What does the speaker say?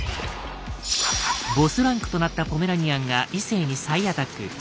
「ボス」ランクとなったポメラニアンが異性に再アタック。